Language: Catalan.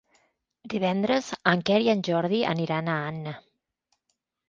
Divendres en Quer i en Jordi aniran a Anna.